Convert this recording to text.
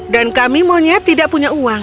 dan kami monyet tidak punya uang